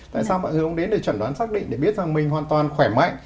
tại sao mọi người không đến để chuẩn đoán xác định để biết rằng mình hoàn toàn khỏe mãi